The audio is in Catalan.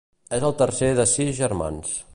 És el tercer de sis germans.